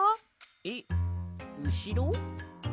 えっうしろ？